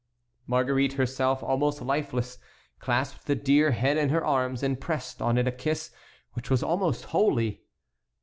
Marguerite, herself almost lifeless, clasped the dear head in her arms, and pressed on it a kiss which was almost holy.